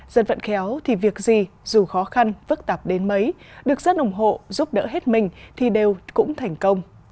dân vận khéo thì việc gì dù khó khăn phức tạp đến mấy được dân ủng hộ giúp đỡ hết mình thì đều cũng thành công